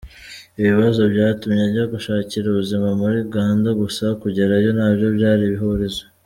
Ibibazo byatumye ajya gushakira ubuzima muri Uganda, gusa kugerayo nabyo byari ihurizo.